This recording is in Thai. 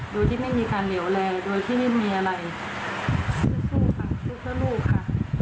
โดยที่ไม่มีการเหลวแรงโดยที่ไม่มีอะไรสู้ค่ะสู้เพื่อลูกค่ะ